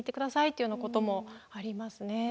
というようなこともありますね。